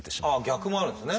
逆もあるんですね。